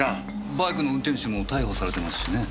バイクの運転手も逮捕されてますしね。